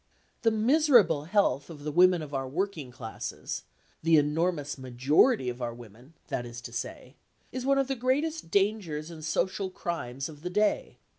The miserable health of the women of our working classes—the enormous majority of our women, that is to say—is one of the greatest dangers and social crimes of the day.